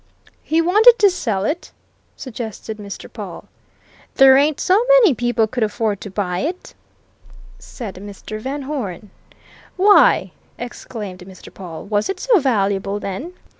"He wanted to sell it?" suggested Mr. Pawle. "There ain't so many people could afford to buy it," said Mr. Van Hoeren. "Why!" exclaimed Mr. Pawle. "Was it so valuable, then?"